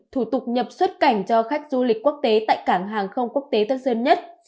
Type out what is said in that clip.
thủ tục nhập xuất cảnh cho khách du lịch quốc tế tại cảng hàng không quốc tế tân sơn nhất